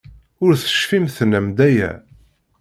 Ur tecfim tennam-d aya.